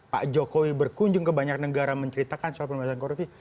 pak jokowi berkunjung ke banyak negara menceritakan soal pemberantasan korupsi